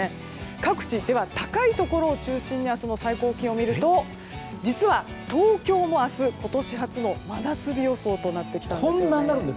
各地、では高いところを中心に明日の最高気温を見ると実は東京も明日今年初の真夏日予想となってきたんです。